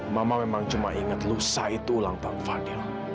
mama memang cuma ingat lusa itu ulang tahun fadil